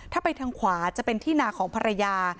ถ้าไปทางขวาจะเป็นที่นาของภรรยา